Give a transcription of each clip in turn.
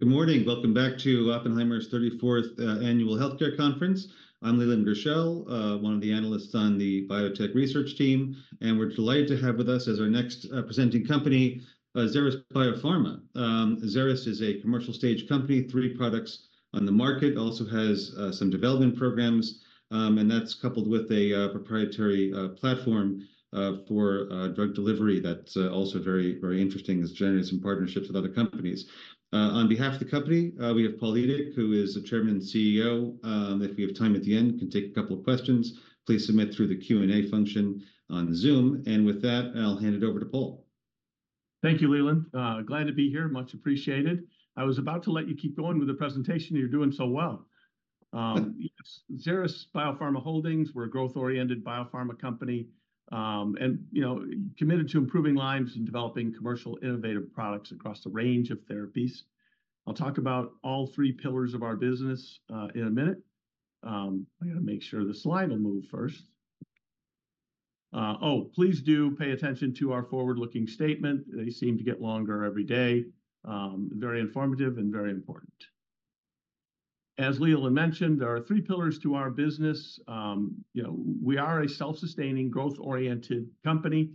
Good morning. Welcome back to Oppenheimer's 34th Annual Healthcare Conference. I'm Leland Gershell, one of the Analysts on the Biotech Research team, and we're delighted to have with us as our next presenting company Xeris Biopharma. Xeris is a commercial stage company, three products on the market, also has some development programs, and that's coupled with a proprietary platform for drug delivery that's also very, very interesting, is generating some partnerships with other companies. On behalf of the company, we have Paul Edick, who is the Chairman and CEO. If we have time at the end, can take a couple of questions. Please submit through the Q&A function on Zoom. With that, I'll hand it over to Paul. Thank you, Leland. Glad to be here. Much appreciated. I was about to let you keep going with the presentation. You're doing so well. Yes, Xeris Biopharma Holdings. We're a growth-oriented biopharma company and, you know, committed to improving lives and developing commercial innovative products across a range of therapies. I'll talk about all three pillars of our business in a minute. I gotta make sure the slide will move first. Oh, please do pay attention to our forward-looking statement. They seem to get longer every day. Very informative and very important. As Leland mentioned, there are three pillars to our business. You know, we are a self-sustaining, growth-oriented company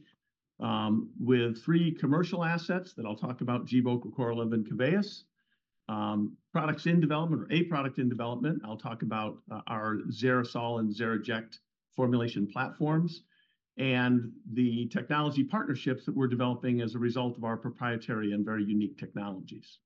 with three commercial assets that I'll talk about: Gvoke, Recorlev, and Keveyis. Products in development or a product in development. I'll talk about our XeriSol and XeriJect formulation platforms and the technology partnerships that we're developing as a result of our proprietary and very unique technologies.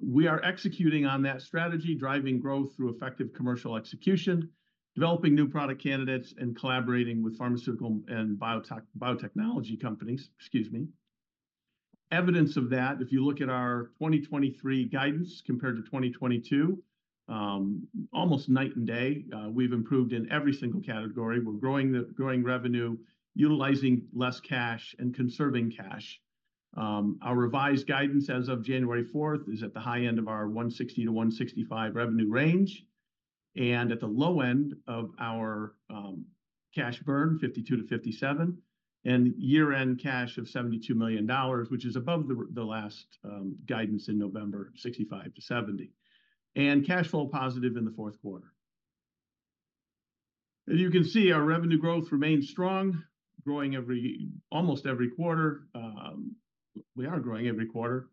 We are executing on that strategy, driving growth through effective commercial execution, developing new product candidates, and collaborating with pharmaceutical and biotech companies. Excuse me. Evidence of that, if you look at our 2023 guidance compared to 2022, almost night and day, we've improved in every single category. We're growing revenue, utilizing less cash and conserving cash. Our revised guidance as of January 4th is at the high end of our $160 million-$165 million revenue range and at the low end of our cash burn, $52 million-$57 million, and year-end cash of $72 million, which is above the last guidance in November, $65 million-$70 million, and cash flow positive in the fourth quarter. As you can see, our revenue growth remains strong, growing every quarter. We are growing every quarter,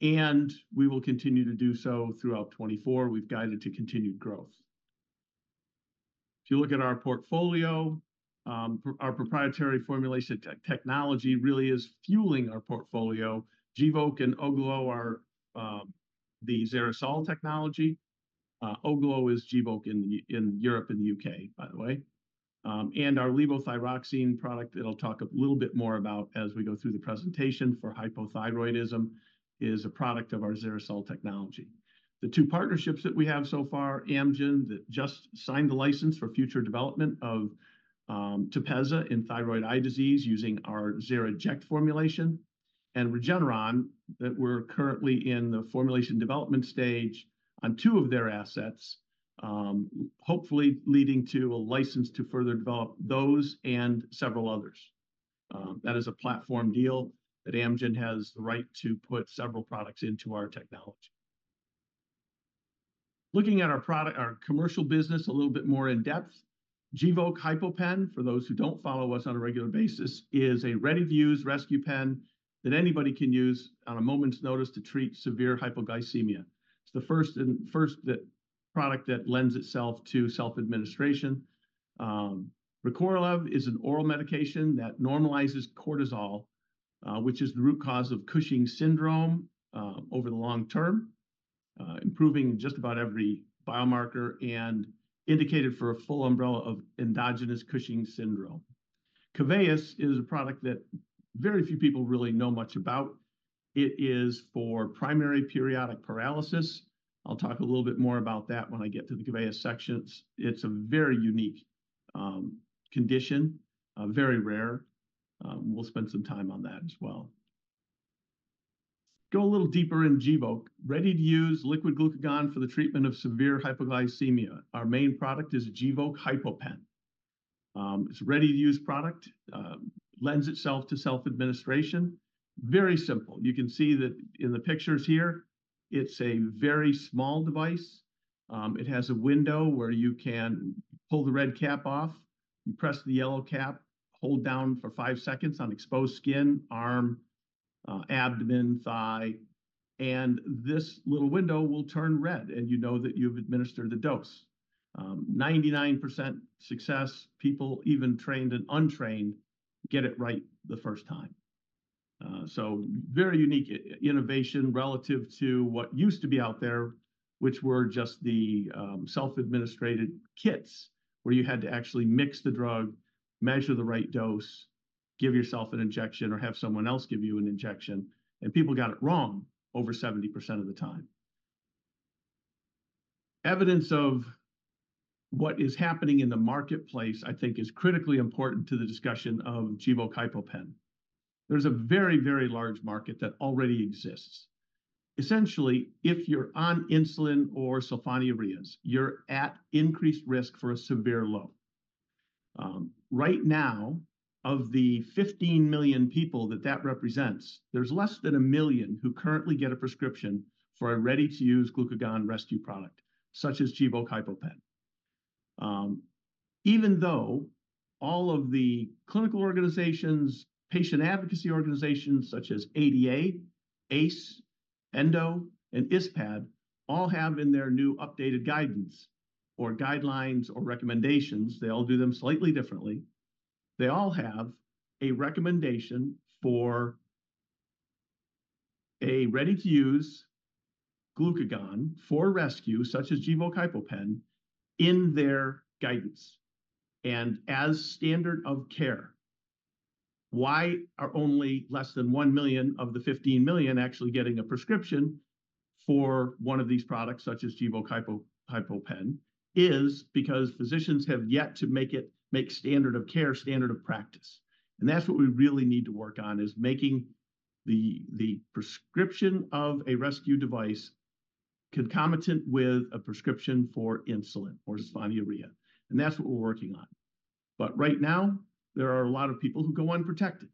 and we will continue to do so throughout 2024. We've guided to continued growth. If you look at our portfolio, our proprietary formulation technology really is fueling our portfolio. Gvoke and Ogluo are the XeriSol technology. Ogluo is Gvoke in Europe, in the U.K., by the way. And our levothyroxine product, it'll talk a little bit more about as we go through the presentation for hypothyroidism, is a product of our XeriSol technology. The two partnerships that we have so far, Amgen, that just signed the license for future development of TEPEZZA in thyroid eye disease using our XeriJect formulation, and Regeneron, that we're currently in the formulation development stage on two of their assets, hopefully leading to a license to further develop those and several others. That is a platform deal that Amgen has the right to put several products into our technology. Looking at our product, our commercial business a little bit more in depth. Gvoke HypoPen, for those who don't follow us on a regular basis, is a ready-to-use rescue pen that anybody can use on a moment's notice to treat severe hypoglycemia. It's the first and first that product that lends itself to self-administration. Recorlev is an oral medication that normalizes cortisol, which is the root cause of Cushing's syndrome over the long term, improving just about every biomarker and indicated for a full umbrella of endogenous Cushing's syndrome. Keveyis is a product that very few people really know much about. It is for primary periodic paralysis. I'll talk a little bit more about that when I get to the Keveyis sections. It's a very unique condition, very rare. We'll spend some time on that as well. Go a little deeper in Gvoke. Ready-to-use liquid glucagon for the treatment of severe hypoglycemia. Our main product is Gvoke HypoPen. It's a ready-to-use product, lends itself to self-administration. Very simple. You can see that in the pictures here. It's a very small device. It has a window where you can pull the red cap off. You press the yellow cap, hold down for five seconds on exposed skin, arm, abdomen, thigh. And this little window will turn red, and you know that you've administered the dose. 99% success. People, even trained and untrained, get it right the first time. So very unique innovation relative to what used to be out there, which were just the self-administered kits where you had to actually mix the drug, measure the right dose, give yourself an injection, or have someone else give you an injection. People got it wrong over 70% of the time. Evidence of what is happening in the marketplace, I think, is critically important to the discussion of Gvoke HypoPen. There's a very, very large market that already exists. Essentially, if you're on insulin or sulfonylureas, you're at increased risk for a severe low. Right now, of the 15 million people that that represents, there's less than a million who currently get a prescription for a ready-to-use glucagon rescue product such as Gvoke HypoPen. Even though all of the clinical organizations, patient advocacy organizations, such as ADA, AACE, Endo, and ISPAD, all have in their new updated guidance or guidelines or recommendations. They all do them slightly differently. They all have a recommendation for a ready-to-use glucagon for rescue, such as Gvoke HypoPen, in their guidance and as standard of care. Why are only less than 1 million of the 15 million actually getting a prescription for one of these products, such as Gvoke HypoPen, is because physicians have yet to make it make standard of care, standard of practice. And that's what we really need to work on, is making the prescription of a rescue device concomitant with a prescription for insulin or sulfonylurea. And that's what we're working on. But right now, there are a lot of people who go unprotected.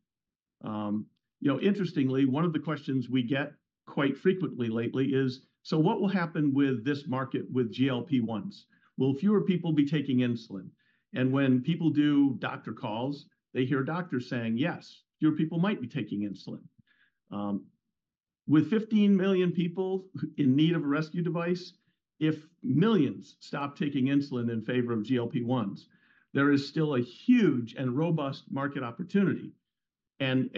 You know, interestingly, one of the questions we get quite frequently lately is, so what will happen with this market with GLP-1s? Will fewer people be taking insulin? And when people do doctor calls, they hear doctors saying, yes, fewer people might be taking insulin. With 15 million people in need of a rescue device, if millions stop taking insulin in favor of GLP-1s, there is still a huge and robust market opportunity and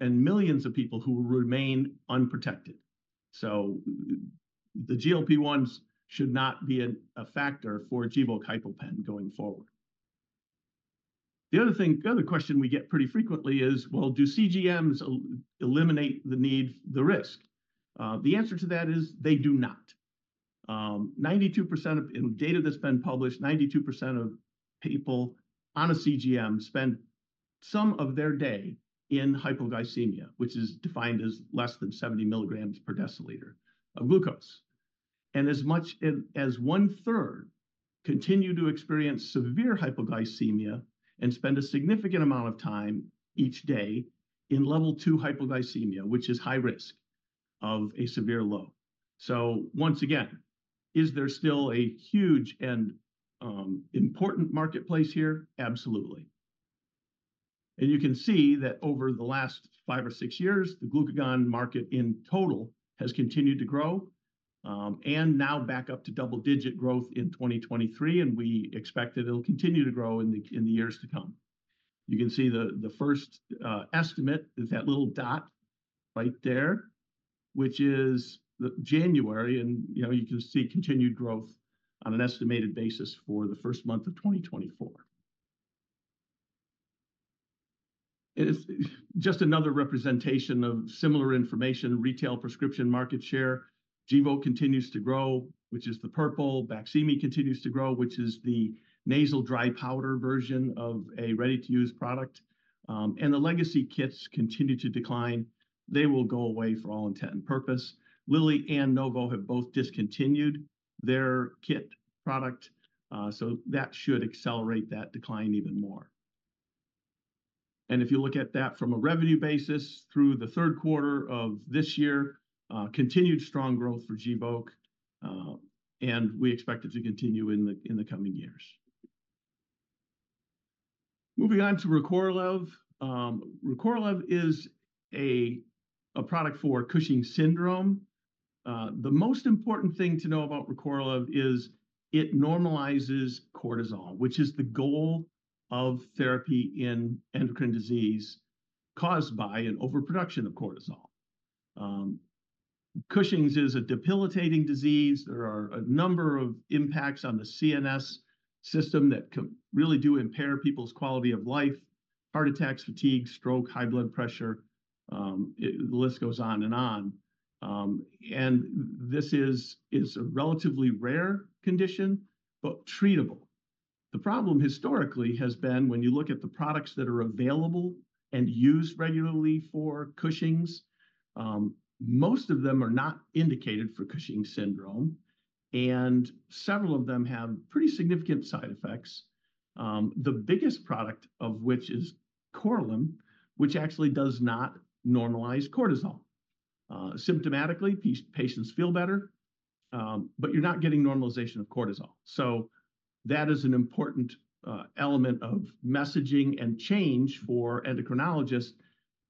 millions of people who remain unprotected. So the GLP-1s should not be a factor for Gvoke HypoPen going forward. The other thing, the other question we get pretty frequently is, well, do CGMs eliminate the need, the risk? The answer to that is they do not. 92% of the data that's been published, 92% of people on a CGM spend some of their day in hypoglycemia, which is defined as less than 70 mg per deciliter of glucose. As much as one-third continue to experience severe hypoglycemia and spend a significant amount of time each day in level 2 hypoglycemia, which is high risk of a severe low. So once again, is there still a huge and important marketplace here? Absolutely. And you can see that over the last five or six years, the glucagon market in total has continued to grow and now back up to double-digit growth in 2023. And we expect that it'll continue to grow in the years to come. You can see the first estimate is that little dot right there, which is the January. You know, you can see continued growth on an estimated basis for the first month of 2024. It's just another representation of similar information. Retail prescription market share. Gvoke continues to grow, which is the purple. BAQSIMI continues to grow, which is the nasal dry powder version of a ready-to-use product. And the legacy kits continue to decline. They will go away for all intent and purpose. Lilly and Novo have both discontinued their kit product, so that should accelerate that decline even more. And if you look at that from a revenue basis through the third quarter of this year, continued strong growth for Gvoke, and we expect it to continue in the coming years. Moving on to Recorlev. Recorlev is a product for Cushing's syndrome. The most important thing to know about Recorlev is it normalizes cortisol, which is the goal of therapy in endocrine disease caused by an overproduction of cortisol. Cushing's is a debilitating disease. There are a number of impacts on the CNS system that really do impair people's quality of life: heart attacks, fatigue, stroke, high blood pressure. The list goes on and on. This is a relatively rare condition, but treatable. The problem historically has been when you look at the products that are available and used regularly for Cushing's, most of them are not indicated for Cushing's syndrome, and several of them have pretty significant side effects. The biggest product of which is Korlym, which actually does not normalize cortisol. Symptomatically, patients feel better, but you're not getting normalization of cortisol. So that is an important element of messaging and change for endocrinologists.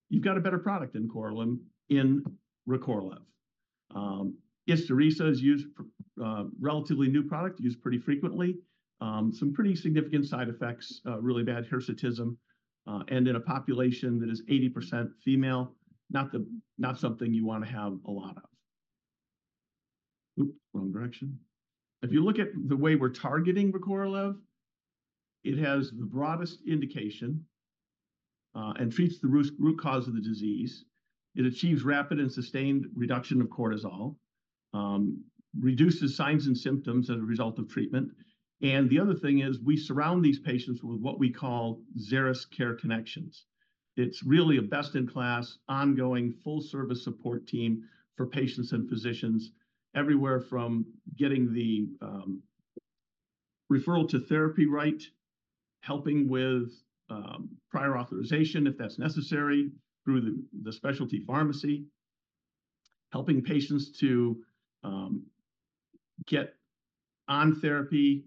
You've got a better product than Korlym in Recorlev. Isturisa is used for a relatively new product, used pretty frequently. Some pretty significant side effects, really bad hirsutism, and in a population that is 80% female, not something you want to have a lot of. Oop, wrong direction. If you look at the way we're targeting Recorlev, it has the broadest indication and treats the root root cause of the disease. It achieves rapid and sustained reduction of cortisol, reduces signs and symptoms as a result of treatment. And the other thing is, we surround these patients with what we call Xeris Care Connections. It's really a best in class, ongoing full service support team for patients and physicians everywhere from getting the referral to therapy right, helping with prior authorization if that's necessary through the the specialty pharmacy, helping patients to get on therapy,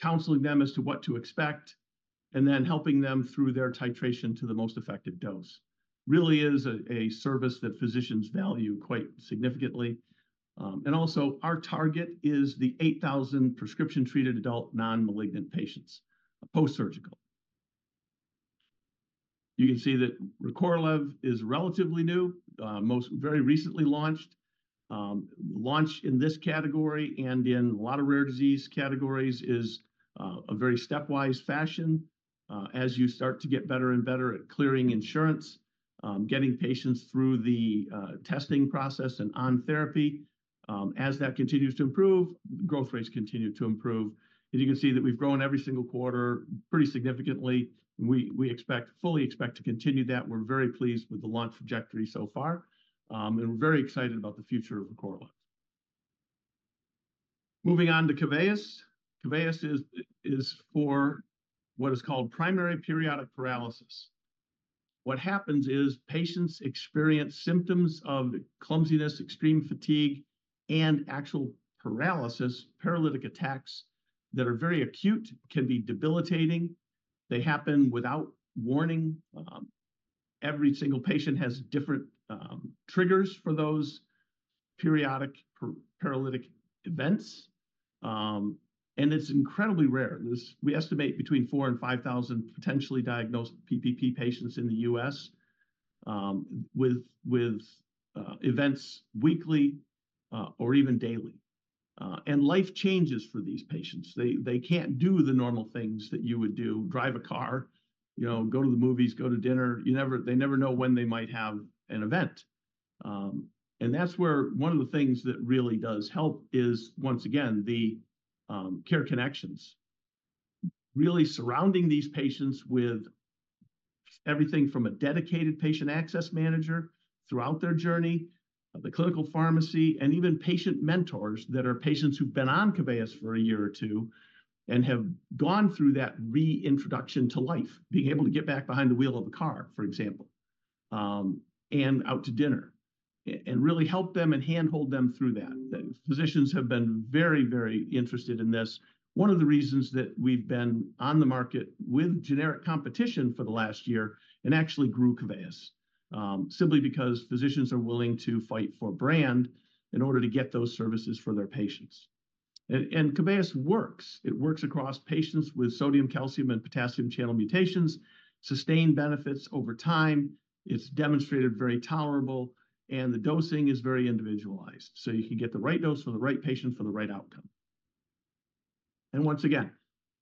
counseling them as to what to expect, and then helping them through their titration to the most effective dose. Really is a a service that physicians value quite significantly. And also, our target is the 8,000 prescription treated adult non-malignant patients, post-surgical. You can see that Recorlev is relatively new, most very recently launched. Launch in this category and in a lot of rare disease categories is a very stepwise fashion. As you start to get better and better at clearing insurance, getting patients through the testing process and on therapy, as that continues to improve, growth rates continue to improve. You can see that we've grown every single quarter pretty significantly. We fully expect to continue that. We're very pleased with the launch trajectory so far, and we're very excited about the future of Recorlev. Moving on to Keveyis. Keveyis is for what is called primary periodic paralysis. What happens is patients experience symptoms of clumsiness, extreme fatigue, and actual paralysis, paralytic attacks that are very acute, can be debilitating. They happen without warning. Every single patient has different triggers for those periodic paralytic events. It's incredibly rare. We estimate between 4,000 and 5,000 potentially diagnosed PPP patients in the U.S. with events weekly or even daily. Life changes for these patients. They can't do the normal things that you would do: drive a car, you know, go to the movies, go to dinner. They never know when they might have an event. And that's where one of the things that really does help is, once again, the Care Connections, really surrounding these patients with everything from a dedicated patient access manager throughout their journey, the clinical pharmacy, and even patient mentors that are patients who've been on Keveyis for a year or two and have gone through that reintroduction to life, being able to get back behind the wheel of a car, for example, and out to dinner, and really help them and handhold them through that. Physicians have been very, very interested in this. One of the reasons that we've been on the market with generic competition for the last year and actually grew Keveyis simply because physicians are willing to fight for brand in order to get those services for their patients. And Keveyis works. It works across patients with sodium, calcium, and potassium channel mutations, sustained benefits over time. It's demonstrated very tolerable, and the dosing is very individualized, so you can get the right dose for the right patient for the right outcome. And once again,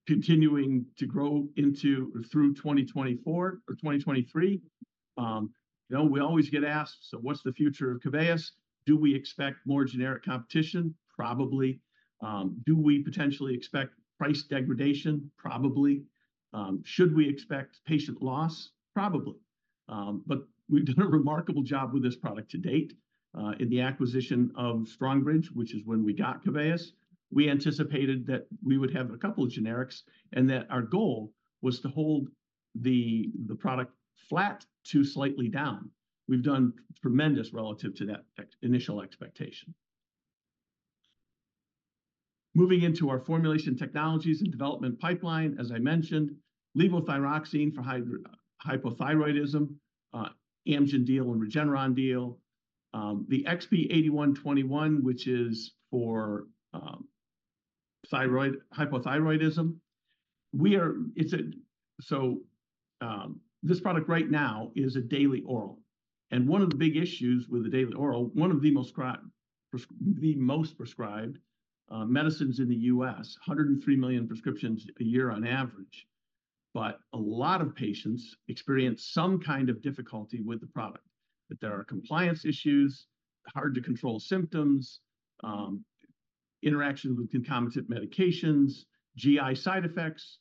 continuing to grow into or through 2024 or 2023. You know, we always get asked, so what's the future of Keveyis? Do we expect more generic competition? Probably. Do we potentially expect price degradation? Probably. Should we expect patient loss? Probably. But we've done a remarkable job with this product to date in the acquisition of Strongbridge, which is when we got Keveyis. We anticipated that we would have a couple of generics and that our goal was to hold the product flat to slightly down. We've done tremendous relative to that initial expectation. Moving into our formulation technologies and development pipeline, as I mentioned, levothyroxine for hypothyroidism, Amgen deal and Regeneron deal, the XP-8121, which is for thyroid, hypothyroidism. We are it's a so this product right now is a daily oral. One of the big issues with the daily oral, one of the most prescribed medicines in the U.S., 103 million prescriptions a year on average. But a lot of patients experience some kind of difficulty with the product, that there are compliance issues, hard to control symptoms, interactions with concomitant medications, GI side effects,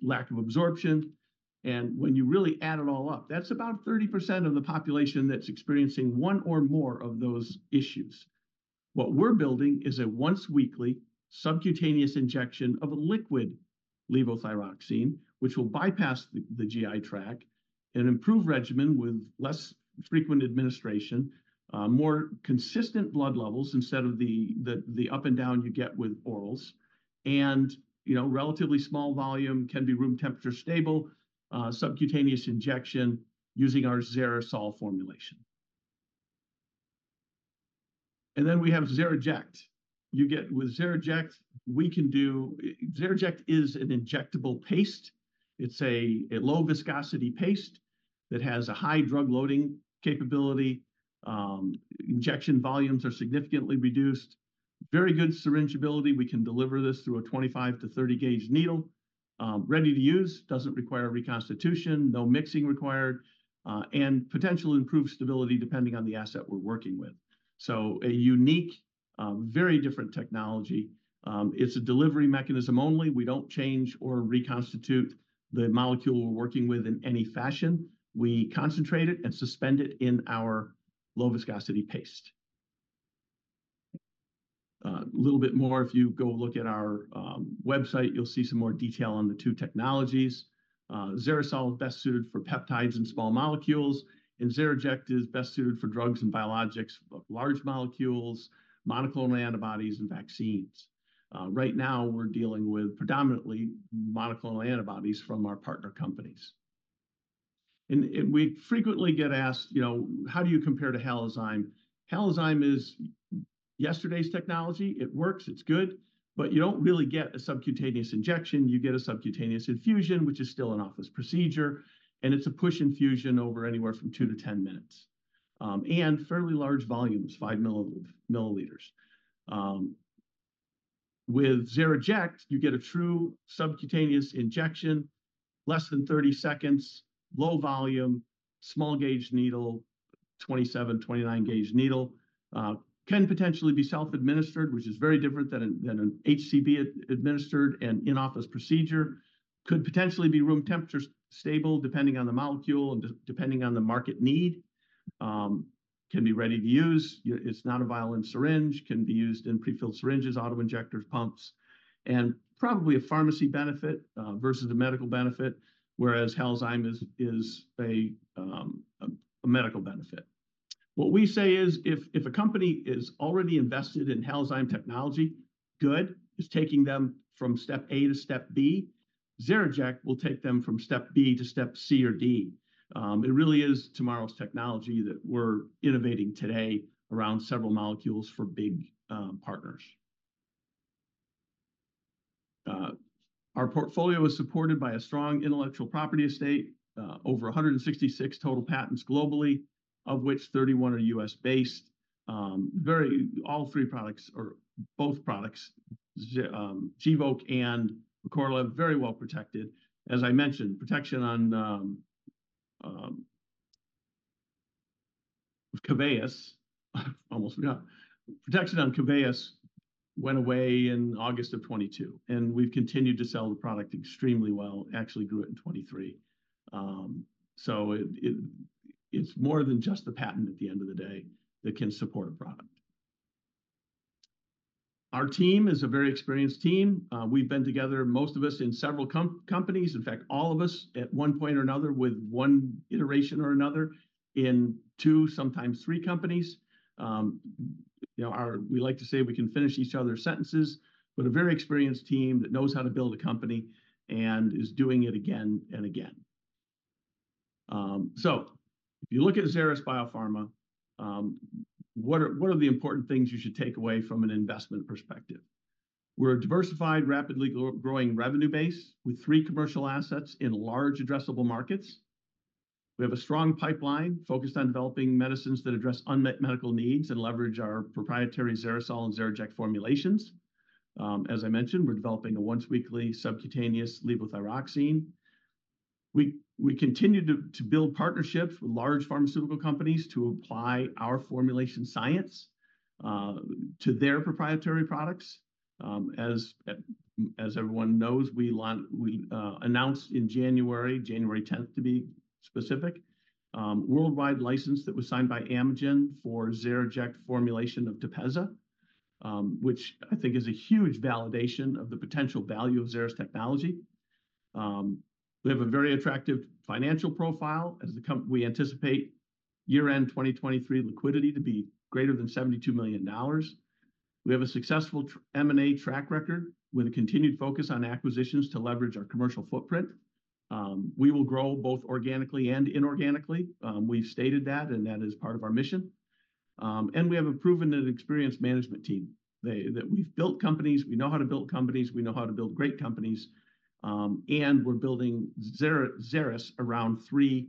lack of absorption. And when you really add it all up, that's about 30% of the population that's experiencing one or more of those issues. What we're building is a once-weekly subcutaneous injection of a liquid levothyroxine, which will bypass the GI tract and improve regimen with less frequent administration, more consistent blood levels instead of the up and down you get with orals. And, you know, relatively small volume, can be room temperature stable, subcutaneous injection using our XeriSol formulation. And then we have XeriJect. You get with XeriJect, we can do. XeriJect is an injectable paste. It's a low viscosity paste that has a high drug loading capability. Injection volumes are significantly reduced. Very good syringeability. We can deliver this through a 25-30 gauge needle, ready to use, doesn't require reconstitution, no mixing required, and potentially improved stability depending on the asset we're working with. So a unique, very different technology. It's a delivery mechanism only. We don't change or reconstitute the molecule we're working with in any fashion. We concentrate it and suspend it in our low viscosity paste. A little bit more, if you go look at our website, you'll see some more detail on the two technologies. XeriSol is best suited for peptides and small molecules, and XeriJect is best suited for drugs and biologics, large molecules, monoclonal antibodies, and vaccines. Right now, we're dealing with predominantly monoclonal antibodies from our partner companies. And we frequently get asked, you know, how do you compare to Halozyme? Halozyme is yesterday's technology. It works. It's good. But you don't really get a subcutaneous injection. You get a subcutaneous infusion, which is still an office procedure, and it's a push infusion over anywhere from two to 10 minutes and fairly large volumes, 5 mL. With XeriJect, you get a true subcutaneous injection, less than 30 seconds, low volume, small-gauge needle, 27- or 29-gauge needle, can potentially be self-administered, which is very different than an HCP-administered and in-office procedure, could potentially be room-temperature stable depending on the molecule and depending on the market need, can be ready to use. It's not a vial and syringe, can be used in prefilled syringes, auto injectors, pumps, and probably a pharmacy benefit versus a medical benefit, whereas Halozyme is a medical benefit. What we say is, if a company is already invested in Halozyme technology, good, is taking them from step A to step B, XeriJect will take them from step B to step C or D. It really is tomorrow's technology that we're innovating today around several molecules for big partners. Our portfolio is supported by a strong intellectual property estate, over 166 total patents globally, of which 31 are U.S.-based. Very well, all three products or both products, Gvoke and Recorlev, very well protected. As I mentioned, protection on Keveyis—almost forgot. Protection on Keveyis went away in August of 2022, and we've continued to sell the product extremely well, actually grew it in 2023. So it's more than just the patent at the end of the day that can support a product. Our team is a very experienced team. We've been together, most of us, in several companies, in fact, all of us at one point or another with one iteration or another in two, sometimes three companies. You know, we like to say we can finish each other's sentences, but a very experienced team that knows how to build a company and is doing it again and again. So if you look at Xeris Biopharma, what are the important things you should take away from an investment perspective? We're a diversified, rapidly growing revenue base with three commercial assets in large addressable markets. We have a strong pipeline focused on developing medicines that address unmet medical needs and leverage our proprietary XeriSol and XeriJect formulations. As I mentioned, we're developing a once-weekly subcutaneous levothyroxine. We continue to build partnerships with large pharmaceutical companies to apply our formulation science to their proprietary products. As everyone knows, we announced in January 10th to be specific, worldwide license that was signed by Amgen for XeriJect formulation of TEPEZZA, which I think is a huge validation of the potential value of Xeris technology. We have a very attractive financial profile. As the company, we anticipate year-end 2023 liquidity to be greater than $72 million. We have a successful M&A track record with a continued focus on acquisitions to leverage our commercial footprint. We will grow both organically and inorganically. We've stated that, and that is part of our mission. We have a proven and experienced management team that we've built companies. We know how to build companies. We know how to build great companies. We're building Xeris around three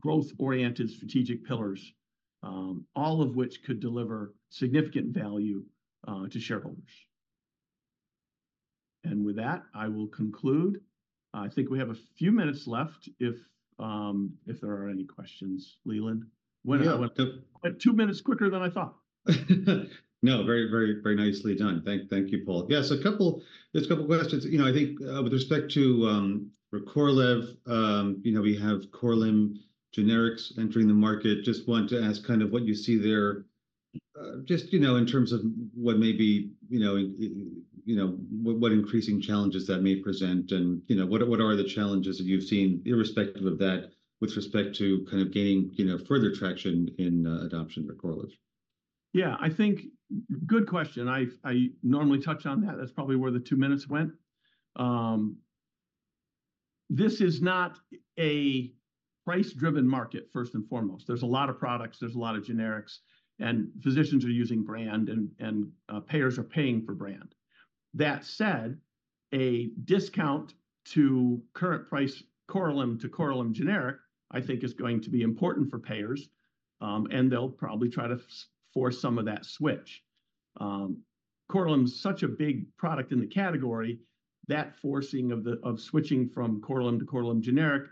growth-oriented strategic pillars, all of which could deliver significant value to shareholders. With that, I will conclude. I think we have a few minutes left if there are any questions. Leland, what, two minutes quicker than I thought. No, very, very, very nicely done. Thank you, Paul. Yeah, so there are a couple questions. You know, I think with respect to Recorlev, you know, we have Korlym generics entering the market. Just want to ask kind of what you see there, just, you know, in terms of what may be, you know, what increasing challenges that may present and, you know, what are the challenges that you've seen irrespective of that with respect to kind of gaining, you know, further traction in adoption of Recorlev? Yeah, I think good question. I normally touch on that. That's probably where the two minutes went. This is not a price-driven market, first and foremost. There's a lot of products. There's a lot of generics, and physicians are using brand, and payers are paying for brand. That said, a discount to current price Korlym to Korlym generic, I think, is going to be important for payers, and they'll probably try to force some of that switch. Korlym is such a big product in the category, that forcing of the switching from Korlym to Korlym generic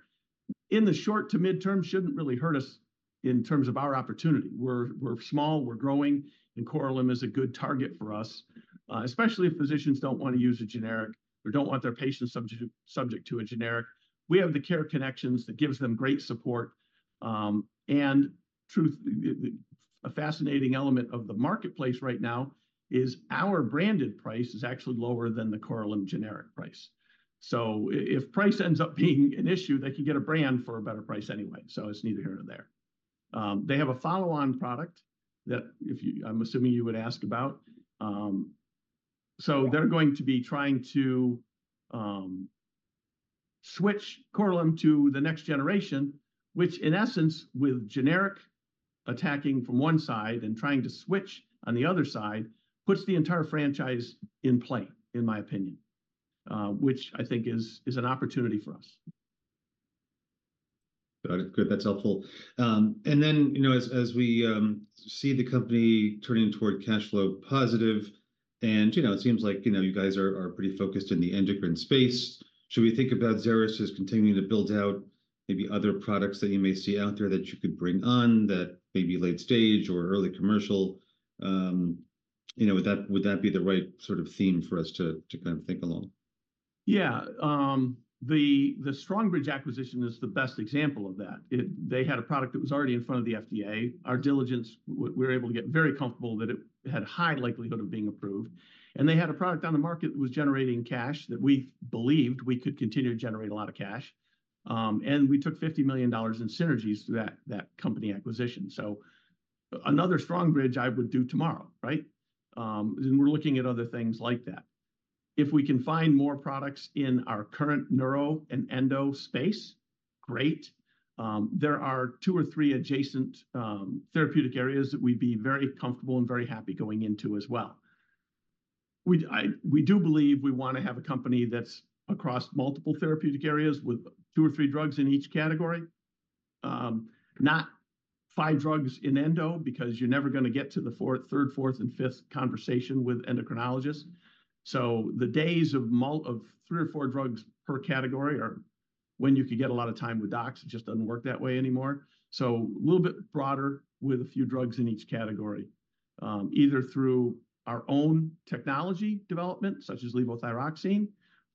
in the short to mid-term shouldn't really hurt us in terms of our opportunity. We're small. We're growing, and Korlym is a good target for us, especially if physicians don't want to use a generic or don't want their patients subject to a generic. We have the Care Connections that gives them great support. In truth, a fascinating element of the marketplace right now is our branded price is actually lower than the Korlym generic price. So if price ends up being an issue, they can get a brand for a better price anyway. So it's neither here nor there. They have a follow-on product that if you I'm assuming you would ask about. So they're going to be trying to switch Korlym to the next generation, which in essence, with generic attacking from one side and trying to switch on the other side, puts the entire franchise in play, in my opinion, which I think is an opportunity for us. Got it. Good. That's helpful. And then, you know, as we see the company turning toward cash flow positive and, you know, it seems like, you know, you guys are pretty focused in the endocrine space, should we think about Xeris as continuing to build out maybe other products that you may see out there that you could bring on that may be late-stage or early commercial? You know, would that be the right sort of theme for us to kind of think along? Yeah. The Strongbridge acquisition is the best example of that. It, they had a product that was already in front of the FDA. Our diligence, we were able to get very comfortable that it had a high likelihood of being approved. And they had a product on the market that was generating cash that we believed we could continue to generate a lot of cash. We took $50 million in synergies through that company acquisition. So another Strongbridge I would do tomorrow, right? We're looking at other things like that. If we can find more products in our current neuro and endo space, great. There are two or three adjacent therapeutic areas that we'd be very comfortable and very happy going into as well. We, I, we do believe we want to have a company that's across multiple therapeutic areas with two or three drugs in each category, not five drugs in endo because you're never going to get to the third, fourth, and fifth conversation with endocrinologists. So the days of three or four drugs per category are when you could get a lot of time with docs. It just doesn't work that way anymore. So a little bit broader with a few drugs in each category, either through our own technology development such as levothyroxine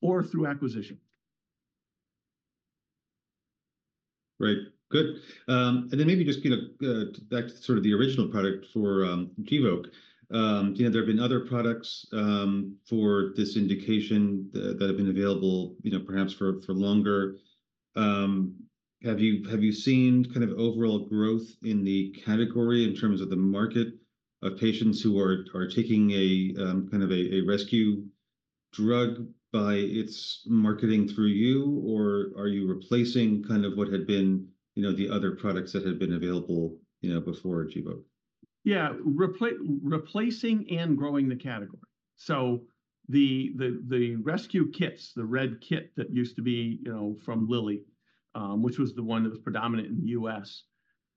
or through acquisition. Great. Good. And then maybe just, you know, back to sort of the original product for Gvoke, do you know, there have been other products for this indication that have been available, you know, perhaps for longer? Have you seen kind of overall growth in the category in terms of the market of patients who are taking a kind of a rescue drug by its marketing through you, or are you replacing kind of what had been, you know, the other products that had been available, you know, before Gvoke? Yeah, replacing and growing the category. So the rescue kits, the red kit that used to be, you know, from Lilly, which was the one that was predominant in the U.S.,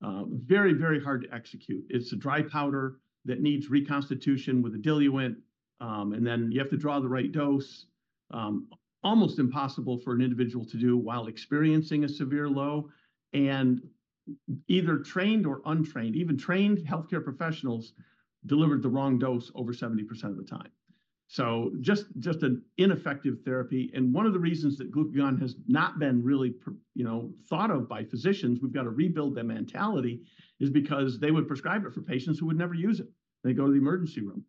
very, very hard to execute. It's a dry powder that needs reconstitution with a diluent, and then you have to draw the right dose, almost impossible for an individual to do while experiencing a severe low. And either trained or untrained, even trained healthcare professionals delivered the wrong dose over 70% of the time. So just an ineffective therapy. And one of the reasons that glucagon has not been really, you know, thought of by physicians, we've got to rebuild that mentality, is because they would prescribe it for patients who would never use it. They go to the emergency room,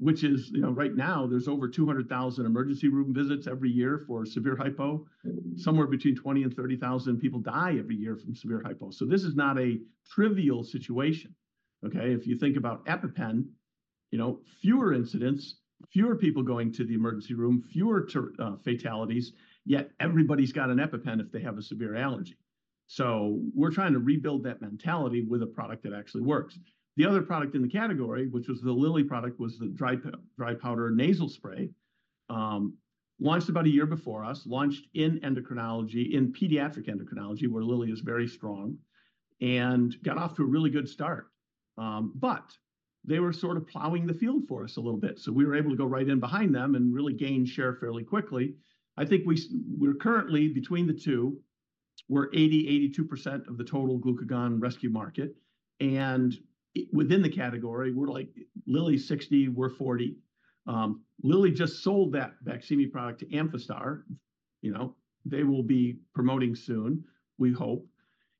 which is, you know, right now, there's over 200,000 emergency room visits every year for severe hypo. Somewhere between 20,000 and 30,000 people die every year from severe hypo. So this is not a trivial situation, okay? If you think about EpiPen, you know, fewer incidents, fewer people going to the emergency room, fewer fatalities, yet everybody's got an EpiPen if they have a severe allergy. So we're trying to rebuild that mentality with a product that actually works. The other product in the category, which was the Lilly product, was the dry powder nasal spray, launched about a year before us, launched in endocrinology, in pediatric endocrinology, where Lilly is very strong, and got off to a really good start. But they were sort of plowing the field for us a little bit. So we were able to go right in behind them and really gain share fairly quickly. I think we're currently between the two. We're 80%-82% of the total glucagon rescue market. And within the category, we're like Lilly 60%, we're 40%. Lilly just sold that BAQSIMI product to Amphastar, you know. They will be promoting soon, we hope.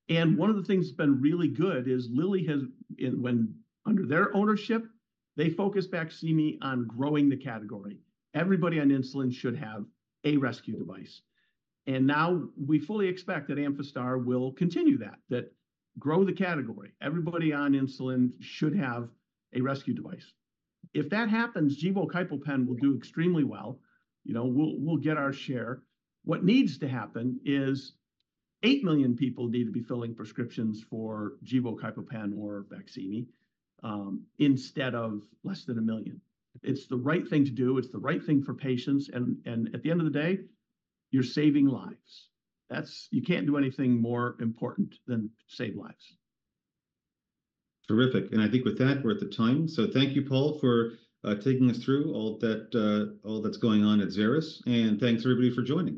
And one of the things that's been really good is Lilly has in when under their ownership, they focused BAQSIMI on growing the category. Everybody on insulin should have a rescue device. And now we fully expect that Amphastar will continue that grow the category. Everybody on insulin should have a rescue device. If that happens, Gvoke HypoPen will do extremely well. You know, we'll get our share. What needs to happen is eight million people need to be filling prescriptions for Gvoke HypoPen or BAQSIMI instead of less than a million. It's the right thing to do. It's the right thing for patients. And at the end of the day, you're saving lives. That's, you can't do anything more important than save lives. Terrific. And I think with that, we're at the time. So thank you, Paul, for taking us through all that, all that's going on at Xeris. And thanks everybody for joining.